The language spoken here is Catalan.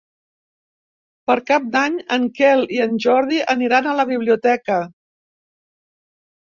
Per Cap d'Any en Quel i en Jordi aniran a la biblioteca.